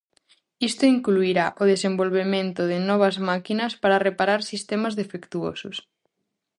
Isto incluirá o desenvolvemento de novas máquinas para reparar sistemas defectuosos.